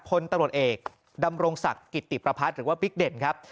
พลตำรวจเอกดำรงศักดิ์กิติประพัฒน์หรือว่าบิ๊กเด่นครับ